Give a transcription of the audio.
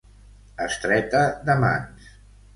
Estreta de mans.